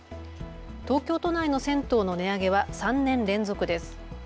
東京都内の銭湯の値上げは３年連続です。